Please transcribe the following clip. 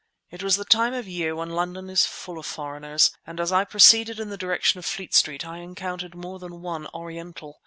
It was the time of the year when London is full of foreigners, and as I proceeded in the direction of Fleet Street I encountered more than one Oriental.